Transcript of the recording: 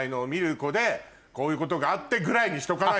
「こういうことがあって」ぐらいにしとかないと。